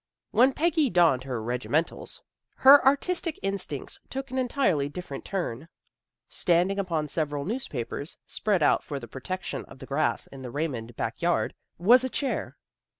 When Peggy donned her " regimentals," her 51 52 THE GIRLS OF FRIENDLY TERRACE artistic instincts took an entirely different turn. Standing upon several newspapers, spread out for the protection of the grass in the Ray mond back yard, was a chair.